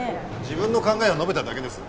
自分の考えを述べただけです。